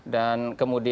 nah itu sudah